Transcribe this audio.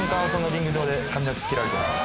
リング上で髪の毛切られてます